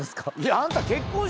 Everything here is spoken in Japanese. あんた。